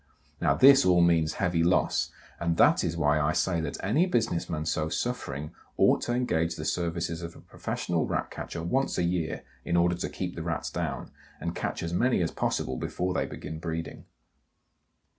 Now, this all means heavy loss, and that is why I say that any business man so suffering ought to engage the services of a professional Rat catcher once a year in order to keep the Rats down, and catch as many as possible before they begin breeding.